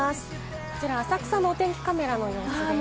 こちら浅草のお天気カメラの様子です。